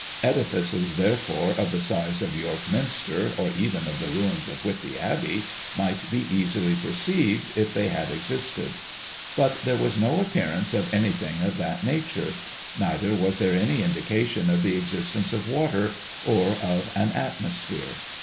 Edifices, therefore, of the size of York Minster, or even of the ruins of Whitby Abbey, might be easily perceived, if they had existed. But there was no appearance of anything of that nature; neither was there any indication of the existence of water, or of an atmosphere.